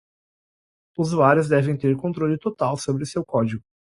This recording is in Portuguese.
Usuários devem ter controle total sobre seu código.